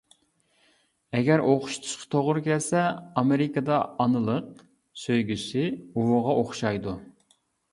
ئەگەر ئوخشىتىشقا توغرا كەلسە ئامېرىكىدا ئانىلىق سۆيگۈسى ئۇۋىغا ئوخشايدۇ.